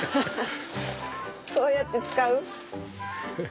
そうやって使う？